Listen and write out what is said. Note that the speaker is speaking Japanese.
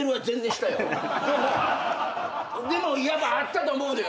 でもやっぱあったと思うのよ。